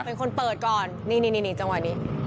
เป็นคนเปิดก่อนนี่จังหวะนี้